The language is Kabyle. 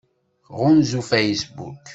Ɣunzu Facebook.